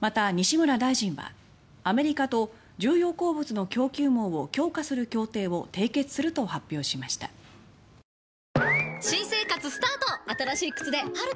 また、西村大臣はアメリカと重要鉱物の供給網を強化する協定を締結したと一課長大岩。